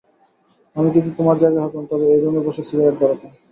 আমি যদি তোমার জায়গায় হতাম, তবে এই রুমে বসেই সিগারেট ধরাতাম।